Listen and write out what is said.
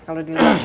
kalau dilihat semua